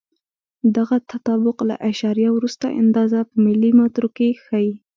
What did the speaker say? دغه تطابق له اعشاریه وروسته اندازه په ملي مترو کې ښیي.